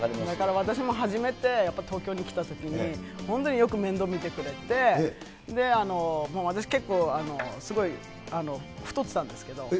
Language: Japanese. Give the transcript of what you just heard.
だから私も初めて東京に来たときに本当によく面倒見てくれて、もう私結構すごい、太ってたんですけど。